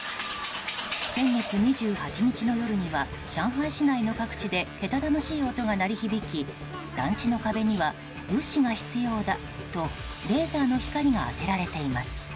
先月２８日の夜には上海市内の各地でけたたましい音が鳴り響き団地の壁には「物資が必要だ」とレーザーの光が当てられています。